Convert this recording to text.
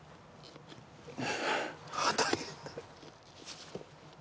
大変だ。